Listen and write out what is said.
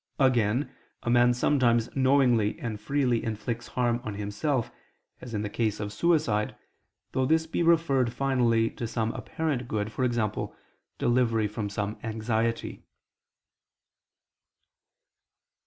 Again, a man sometimes knowingly and freely inflicts harm on himself, as in the case of suicide, though this be referred finally to some apparent good, for example, delivery from some anxiety.